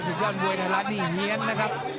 สุดยอดเวลาละนี่เหี้ยนนะครับ